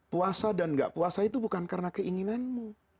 puasa dan gak puasa itu bukan karena keinginanmu